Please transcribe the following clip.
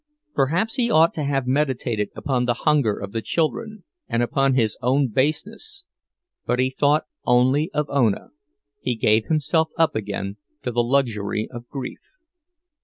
Perhaps he ought to have meditated upon the hunger of the children, and upon his own baseness; but he thought only of Ona, he gave himself up again to the luxury of grief.